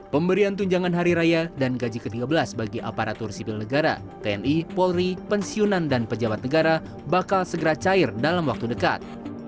pemberian tunjangan hari raya dan gaji ke tiga belas bagi aparatur sipil negara tni polri pensiunan dan pejabat negara bakal segera cair dalam waktu dekat